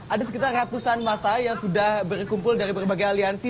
ada sekitar ratusan masa yang sudah berkumpul dari berbagai aliansi